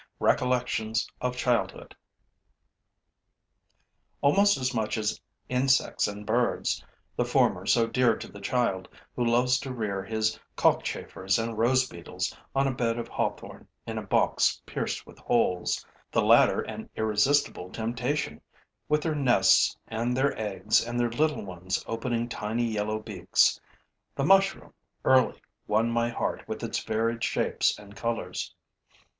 RECOLLECTIONS OF CHILDHOOD Almost as much as insects and birds the former so dear to the child, who loves to rear his cockchafers and rose beetles on a bed of hawthorn in a box pierced with holes; the latter an irresistible temptation, with their nests and their eggs and their little ones opening tiny yellow beaks the mushroom early won my heart with its varied shapes and colors.